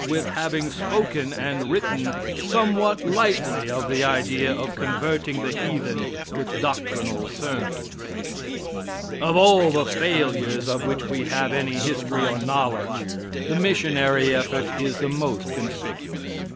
With having spoken and written somewhat lightly of the idea of converting the heathen with doctrinal sermons. Of all the failures of which we have any history or knowledge the missionary effort is the most conspicuous.